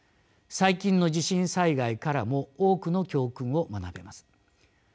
最近の地震災害からも多くの教訓を学べます。